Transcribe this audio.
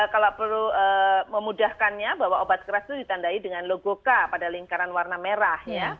kalau perlu memudahkannya bahwa obat keras itu ditandai dengan logoka pada lingkaran warna merah